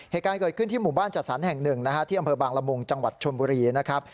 เหตุการณ์เกิดขึ้นที่หมู่บ้านจัดสรรแห่งหนึ่งนะฮะที่อำเภอบางละมุงจังหวัดชนบุรีนะครับ